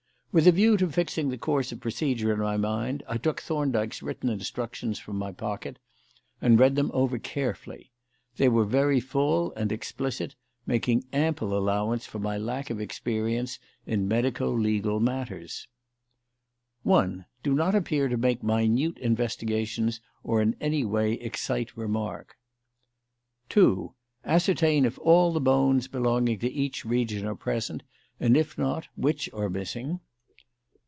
With a view to fixing the course of procedure in my mind, I took Thorndyke's written instructions from my pocket and read them over carefully. They were very full and explicit, making ample allowance for my lack of experience in medico legal matters: 1. Do not appear to make minute investigations or in any way excite remark. 2. Ascertain if all the bones belonging to each region are present, and if not, which are missing.